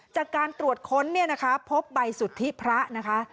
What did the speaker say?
จากการตรวจค้นเนี่ยนะคะพบใบสุทธิพระนะคะ